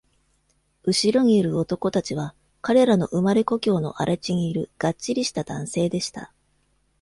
後ろにいる男たちは、彼らの生まれ故郷の荒れ地にいるがっちりした男性でした。